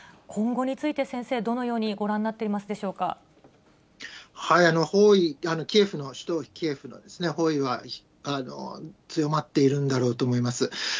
今後について、先生、どのようにご覧になっていますでしょうか。包囲、首都キエフの包囲は強まっているんだろうと思います。